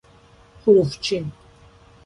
حروفچین